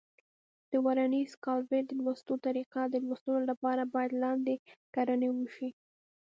د ورنیر کالیپر د لوستلو طریقه: د لوستلو لپاره باید لاندې کړنې وشي.